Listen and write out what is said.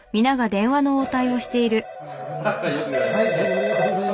☎ありがとうございます。